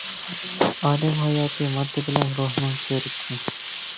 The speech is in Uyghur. ئادەم ھاياتى ماددا بىلەن روھنىڭ كۆرىكى.